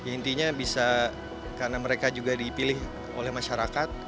intinya bisa karena mereka juga dipilih oleh masyarakat